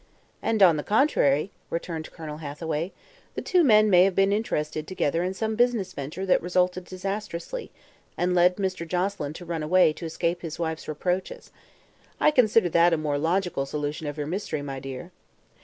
"And, on the contrary," returned Colonel Hathaway, "the two men may have been interested together in some business venture that resulted disastrously and led Mr. Joselyn to run away to escape his wife's reproaches. I consider that a more logical solution of your mystery, my dear."